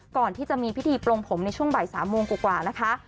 ก่อนที่จะมีพิธีปลงผมในช่วงบ่าย๓โมงกว่านะคะ